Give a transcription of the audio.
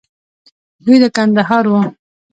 دوى د کندهار وو.